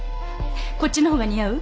こっちの方が似合う？